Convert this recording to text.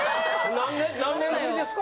何年ぶりですか？